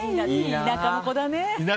田舎の子だね。